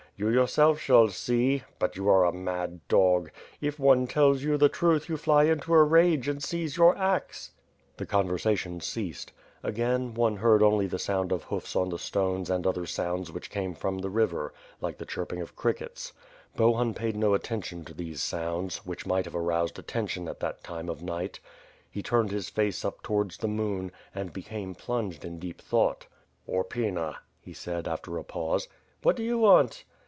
You yourself shall see it; but you are a mad dog. If one tells you the truth, you fly into a rage and seize your axe." The conversation ceased. Again, one heard only the sound of hoofs on the stones and other sounds which came from the river, like the chirping of crickets. Bohun paid no attention to these sounds, which might have aroused atten tion at that time of night. He turned his face up towards the moon, and became plunged in deep thought. "Horpyna," he said, after a pause. "What do you want?''